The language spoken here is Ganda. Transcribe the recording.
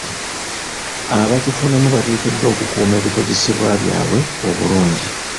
Abakifunamu bateekeddwa okukuuma ebikozesebwa byabwe obulungi